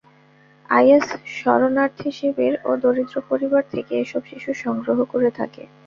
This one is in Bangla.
আইএস শরণার্থীশিবির ও দরিদ্র পরিবার থেকে এসব শিশু সংগ্রহ করে থাকে।